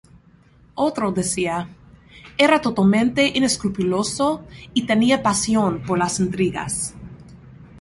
Otro decía: ""era totalmente inescrupuloso y tenía pasión por las intrigas"".